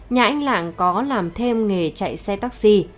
nhà anh lạng có làm thêm nghề chạy xe taxi